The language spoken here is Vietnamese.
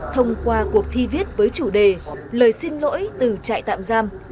thông qua cuộc thi viết với chủ đề lời xin lỗi từ trại tạm giam